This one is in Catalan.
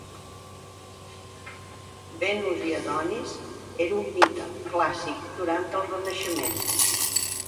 Venus i Adonis era un mite clàssic durant el Renaixement.